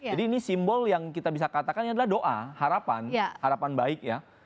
jadi ini simbol yang kita bisa katakan adalah doa harapan harapan baik ya